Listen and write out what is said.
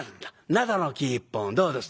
灘の生一本どうです？」。